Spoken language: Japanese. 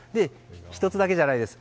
１つだけじゃないんです。